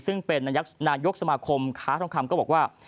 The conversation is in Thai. ซึ่งเป็นนายกสมาคมค้าทองคำก็บอกว่า